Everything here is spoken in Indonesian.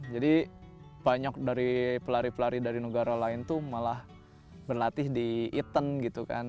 jadi banyak dari pelari pelari dari negara lain tuh malah berlatih di eton gitu kan